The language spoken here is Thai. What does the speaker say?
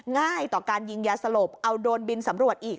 ง่ายต่อการยิงยาสลบเอาโดรนบินสำรวจอีก